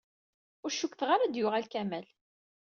Ur cukkteɣ ara ad d-yuɣal Kamal.